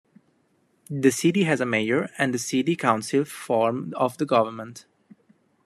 The city has a mayor and city council form of government.